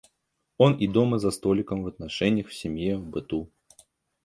Он и дома за столиком, в отношеньях, в семье, в быту.